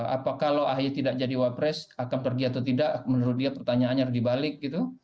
apa kalau ahy tidak jadi wapres akan pergi atau tidak menurut dia pertanyaannya harus dibalik gitu